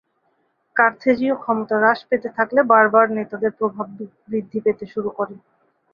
কার্থেজীয় ক্ষমতা হ্রাস পেতে থাকলে বার্বার নেতাদের প্রভাব বৃদ্ধি পেতে শুরু করে।